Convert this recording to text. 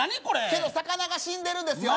けど魚が死んでるんですよ